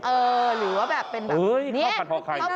เออหรือว่าแบบมีเข้าผัด